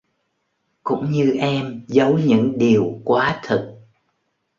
cũng như em dấu những điều quá thực...